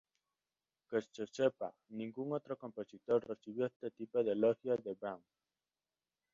Que se sepa, ningún otro compositor recibió este tipo de elogio de Brahms.